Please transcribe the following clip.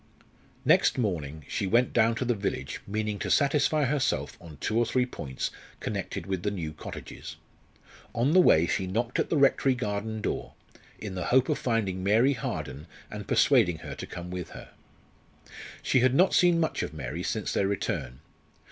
Next morning she went down to the village meaning to satisfy herself on two or three points connected with the new cottages. On the way she knocked at the Rectory garden door, in the hope of finding Mary Harden and persuading her to come with her. She had not seen much of Mary since their return.